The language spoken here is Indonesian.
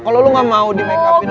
kalau lo gak mau di make up in